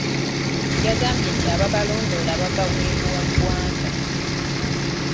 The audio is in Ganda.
Yagambye nti ababalondoola bava wabweru wa ggwanga.